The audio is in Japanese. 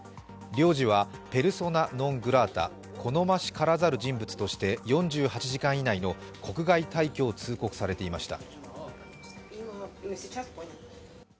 領事は、ペルソナ・ノン・グラータ＝好ましからざる人物として４８時間以内の国外退去を通告されていました。